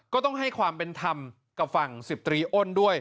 ก็ต้องให้ความเป็นธรรมกับฝั่ง๑๐ตรีอ้นด้วย